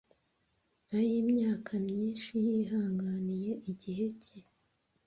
'Ay, imyaka myinshi yihanganiye igihe cye